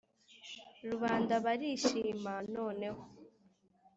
rubanda barishima; noneho